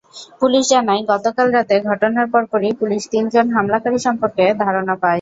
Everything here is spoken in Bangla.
পুলিশ জানায়, গতকাল রাতে ঘটনার পরপরই পুলিশ তিনজন হামলাকারী সম্পর্কে ধারণা পায়।